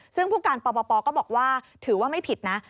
ซึ่งผู้การปปก็บอกว่าถือว่าไม่ผิดนะ